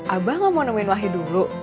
abah gak mau nemuin wahyu dulu